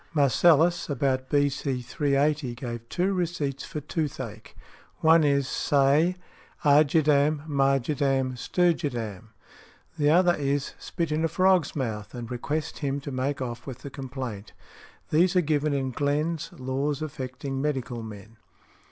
Marcellus, about B. C. 380, gave two receipts for toothache. One is, "Say, 'argidam, margidam, sturgidam;'" the other is, "Spit in a frog's mouth and request him to make off with the complaint." These are given in Glenn's "Laws affecting Medical Men."